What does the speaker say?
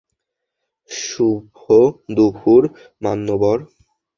শুভ দুপুর, মান্যবর!